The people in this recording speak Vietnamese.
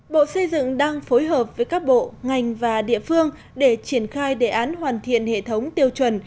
bộ xây dựng đang phối hợp với các bộ ngành và địa phương để triển khai đề án hoàn thiện hệ thống tiêu chuẩn